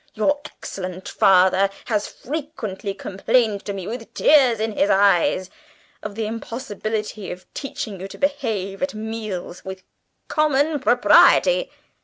Your excellent father has frequently complained to me, with tears in his eyes, of the impossibility of teaching you to behave at meals with common propriety!"